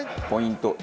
ポイント。